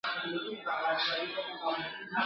ملا وکښې دایرې یو څو شکلونه !.